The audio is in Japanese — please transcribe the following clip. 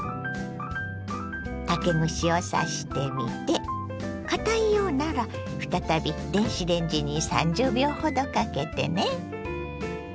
竹串を刺してみてかたいようなら再び電子レンジに３０秒ほどかけてね。